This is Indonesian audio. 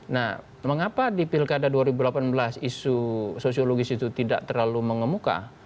nah mengapa di pilkada dua ribu delapan belas isu sosiologis itu tidak terlalu mengemuka